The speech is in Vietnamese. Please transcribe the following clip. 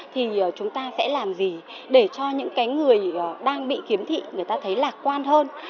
thì chúng ta sẽ làm gì để cho những người đang bị khiếm thị người ta thấy lạc quan hơn